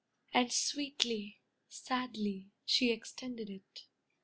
And sweetly, sadly, she extended it.